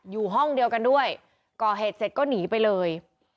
อยู่ห้องเดียวกันด้วยก่อเหตุเสร็จก็หนีไปเลย